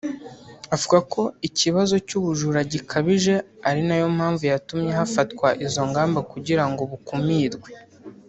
avuga ko ikibazo cy’ubujura gikabije ari nayo mpamvu yatumye hafatwa izo ngamba kugira ngo bukumirwe